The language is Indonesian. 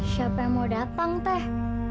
siapa yang mau datang teh